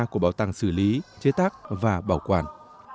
của bảo tàng xử lý chế tác và bảo quản